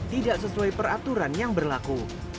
tidak sesuai peraturan yang berlaku